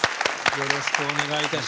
よろしくお願いします。